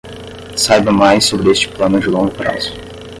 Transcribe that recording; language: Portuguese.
Saiba mais sobre este plano de longo prazo